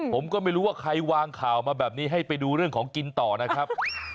ผมก็ไม่รู้ว่าใครวางข่าวมาแบบนี้ให้ไปดูเรื่องของกินต่อนะครับ